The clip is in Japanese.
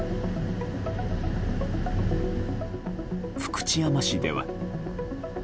福知山市では。